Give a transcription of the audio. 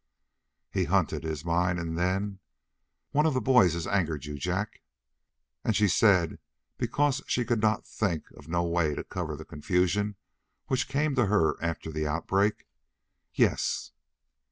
He hunted his mind, and then: "One of the boys has angered you, Jack?" And she said, because she could think of no way to cover the confusion which came to her after the outbreak: "Yes."